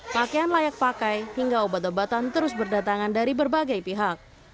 pakaian layak pakai hingga obat obatan terus berdatangan dari berbagai pihak